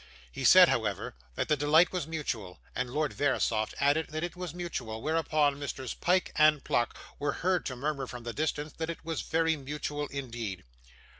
He said, however, that the delight was mutual, and Lord Verisopht added that it was mutual, whereupon Messrs Pyke and Pluck were heard to murmur from the distance that it was very mutual indeed.